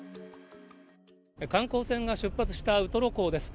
観光船が出発したウトロ港です。